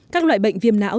các loại bệnh viêm não